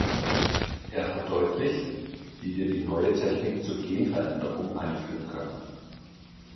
Er verdeutlicht, wie wir die neue Technik zur Genveränderung einführen können.